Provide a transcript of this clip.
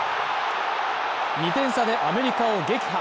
２点差でアメリカを撃破。